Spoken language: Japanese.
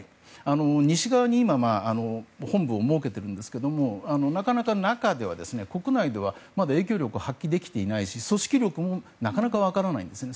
西側に本部を設けているんですけどもなかなか、国内では影響力を発揮できていないし組織力もなかなか分からないんですね。